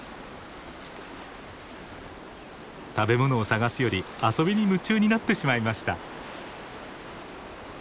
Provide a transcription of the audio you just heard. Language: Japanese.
食べ物を探すより遊びに夢中になってしまいました。